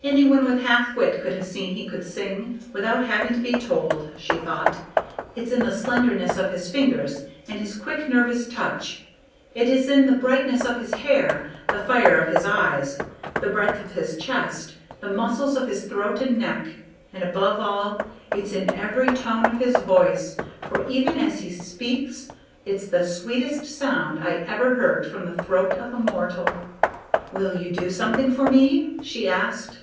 "Anyone with half wit could have seen he could sing, without having to be told," she thought. "It's in the slenderness of his fingers and his quick nervous touch. It is in the brightness of his hair, the fire of his eyes, the breadth of his chest, the muscles of his throat and neck; and above all, it's in every tone of his voice, for even as he speak it's the sweetest sound I ever heard from the throat of a mortal." "Will you do something for me?" she asked.